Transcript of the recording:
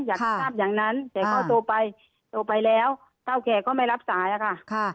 อยากทราบอย่างนั้นแต่ก็โทรไปโทรไปแล้วเท่าแก่ก็ไม่รับสายอะค่ะ